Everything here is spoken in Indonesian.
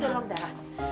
lu perlu darah